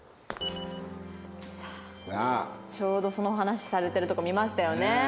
ちょうどその話されてるとこ見ましたよね。